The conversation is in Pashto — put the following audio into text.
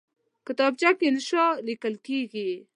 کتابچه کې انشاء لیکل کېږي